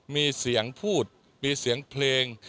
มีเสียงพูดมีเสียงเพลง